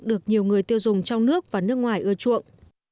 được nhiều người tiêu dùng trong nước và nước ngoài ưa chuộng